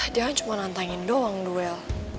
dia cuma nantangin doang duel